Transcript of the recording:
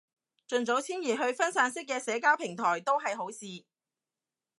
盡早遷移到去分散式嘅社交平台都係好事